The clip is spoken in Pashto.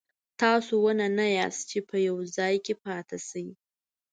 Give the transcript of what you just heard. تاسو ونه نه یاست چې په یو ځای پاتې شئ.